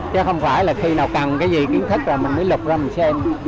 chứ không phải là khi nào cần cái gì kiến thức rồi mình mới lục ra mình xem